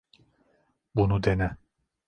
Bunu dene.